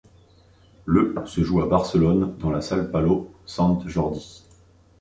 Le se joue à Barcelone dans la salle Palau Sant Jordi.